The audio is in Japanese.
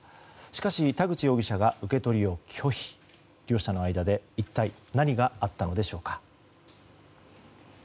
しかし田口容疑者が受け取りを拒否。両者の間で一体何があったのでしょうか。